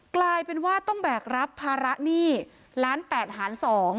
กลายเป็นว่าต้องแบกรับภาระหนี้ล้าน๘หาร๒